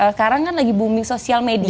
sekarang kan lagi booming sosial media